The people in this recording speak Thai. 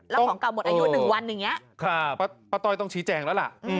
แล้วของเก่าหมดอายุ๑วันอย่างนี้ป้าต้อยต้องชี้แจงแล้วล่ะ